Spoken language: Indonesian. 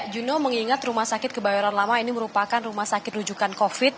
juno mengingat rumah sakit kebayoran lama ini merupakan rumah sakit rujukan covid